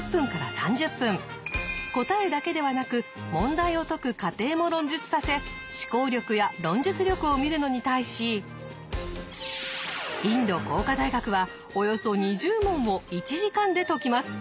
答えだけではなく問題を解く過程も論述させ思考力や論述力を見るのに対しインド工科大学はおよそ２０問を１時間で解きます。